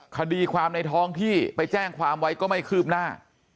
คดีความในท้องที่ไปแจ้งความไว้ก็ไม่คืบหน้า